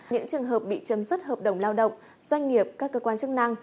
những trường hợp bị chấm dứt hợp đồng lao động doanh nghiệp các cơ quan chức năng